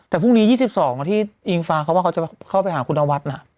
แต่พรุ่งนี้๒๒ที่อิงฟ้าเขาว่าเขาจะเข้าไปหาคุณนวัด